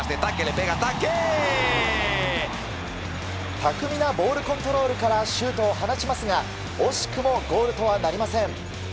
巧みなボールコントロールからシュートを放ちますが惜しくもゴールとはなりません。